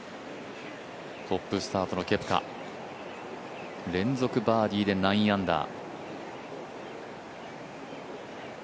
トップスタートのケプカ、連続バーディーで９アンダー。